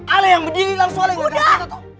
ale yang berdiri langsung ale yang ngegas kita toh